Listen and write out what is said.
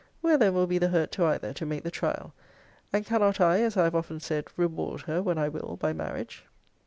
Where then will be the hurt to either, to make the trial? And cannot I, as I have often said, reward her when I will by marriage?